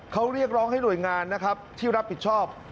เขาเรียกร้องให้หน่วยงานนะครับที่รับผิดชอบ